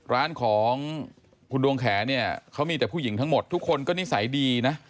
ร้านของคุณดวงแขนเนี่ยเขามีแต่ผู้หญิงทั้งหมดทุกคนก็นิสัยดีนะ